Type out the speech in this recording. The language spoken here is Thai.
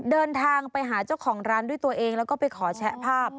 เดินทางไปหาเจ้าของร้านด้วยตัวเองแล้วก็ไปขอแชะภาพ